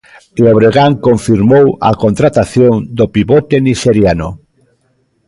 E o Breogán confirmou a contratación do pivote nixeriano.